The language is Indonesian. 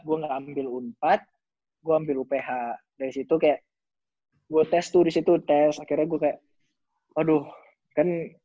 aduh kan latihan pertama gue ambil u empat gue ambil uph dari situ kayak gue tes tuh disitu akhirnya gue kayak